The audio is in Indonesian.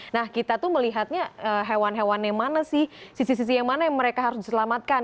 nah kita tuh melihatnya hewan hewan yang mana sih sisi sisi yang mana yang mereka harus selamatkan